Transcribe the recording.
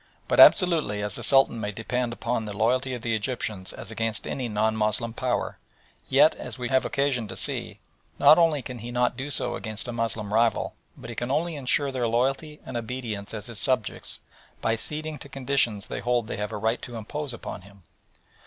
But absolutely as the Sultan may depend upon the loyalty of the Egyptians as against any non Moslem Power, yet, as we shall have occasion to see, not only can he not do so as against a Moslem rival, but he can only ensure their loyalty and obedience as his subjects by ceding to conditions they hold they have a right to impose upon him.